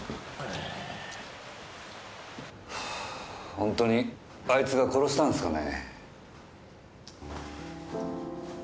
ホントにあいつが殺したんすかね？